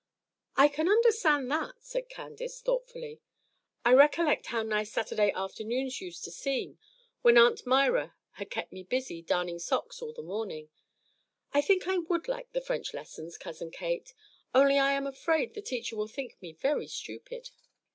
"I can understand that," said Candace, thoughtfully. "I recollect how nice Saturday afternoons used to seem when Aunt Myra had kept me busy darning stockings all the morning. I think I would like the French lessons, Cousin Kate; only I am afraid the teacher will think me very stupid."